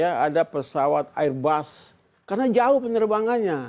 ada pesawat airbus karena jauh penerbangannya